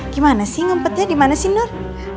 gimana sih numpetnya dimana sih nur